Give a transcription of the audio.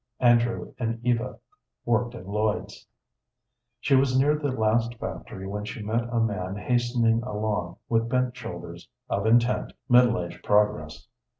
Andrew and Eva worked in Lloyd's. She was near the last factory when she met a man hastening along with bent shoulders, of intent, middle aged progress.